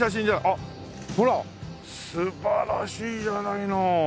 あっほら素晴らしいじゃないの。